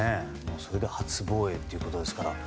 それで初防衛ということですから。